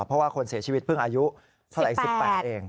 เพราะว่าคนเสียชีวิตเพิ่งอายุเท่าไหร่๑๘เอง